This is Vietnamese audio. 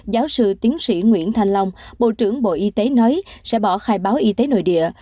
giáo sư tiến sĩ nguyễn thanh long bộ trưởng bộ y tế nói sẽ bỏ khai báo y tế nội địa